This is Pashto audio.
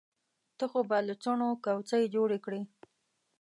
ته خو به له څڼو کوڅۍ جوړې کړې.